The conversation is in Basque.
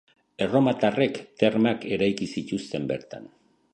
Erromatarrek termak eraiki zituzten bertan.